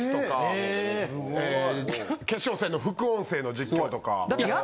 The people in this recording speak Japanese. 決勝戦の副音声の実況とか。